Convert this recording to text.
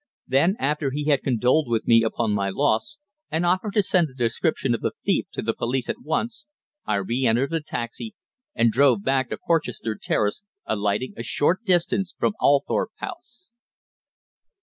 Then, after he had condoled with me upon my loss, and offered to send the description of the thief to the police at once, I re entered the taxi, and drove back to Porchester Terrace, alighting a short distance from Althorp House.